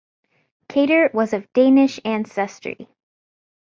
Cater was of Danish ancestry.